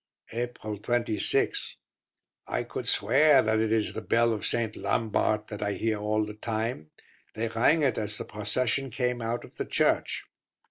April 26. I could swear that it is the bell of St. Lambart that I hear all the time. They rang it as the procession came out of the church.